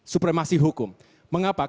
supremasi hukum mengapa